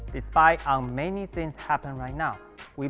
meskipun banyak hal yang terjadi sekarang